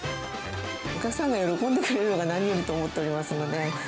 お客さんが喜んでくれるのが、何よりと思っておりますので。